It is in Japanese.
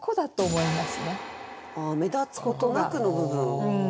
ああ「目立つことなく」の部分。